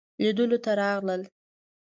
لیدلو ته راغلل.